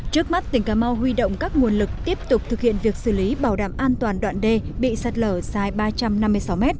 trước mắt tỉnh cà mau huy động các nguồn lực tiếp tục thực hiện việc xử lý bảo đảm an toàn đoạn đê bị sạt lở dài ba trăm năm mươi sáu m